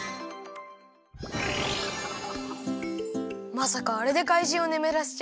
まさかあれでかいじんをねむらせちゃうなんて。